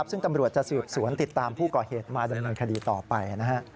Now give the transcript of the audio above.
ซึ่งตำรวจจะสืบสวนติดตามผู้ก่อเหตุมาดำเนินคดีต่อไป